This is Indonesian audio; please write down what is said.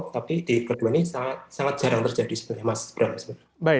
tapi di proyek kedua ini sangat jarang terjadi sebenarnya